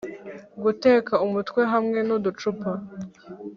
guteka umutwe hamwe nuducupa.